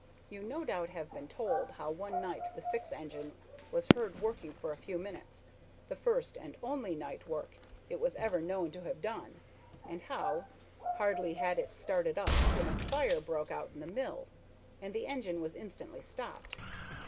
"You no doubt have been told how one night the Syx engine was heard working for a few minutes, the first and only night work it was ever known to have done, and how, hardly had it started up when a fire broke out in the mill, and the engine was instantly stopped.